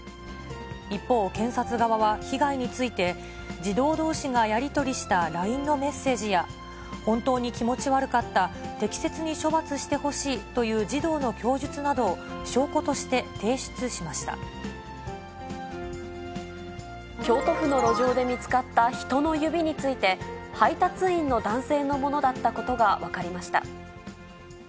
一方、検察側は被害について、児童どうしがやり取りしたＬＩＮＥのメッセージや、本当に気持ち悪かった、適切に処罰してほしいという児童の供述などを証拠として提出しま京都府の路上で見つかった人の指について、配達員の男性のものだったことが分かりました。